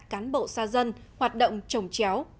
cán bộ xa dân hoạt động trồng chéo